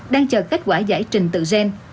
đang chờ kết quả giải trình tựa gen